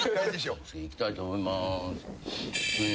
次いきたいと思います。